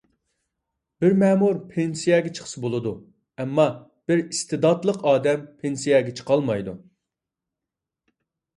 بىر مەمۇر پېنسىيەگە چىقسا بولىدۇ، ئەمما بىر ئىستېداتلىق ئادەم پېنسىيەگە چىقالمايدۇ.